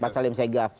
pak salim sega